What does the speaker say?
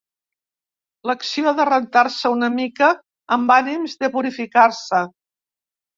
L'acció de rentar-se una mica amb ànims de purificar-se.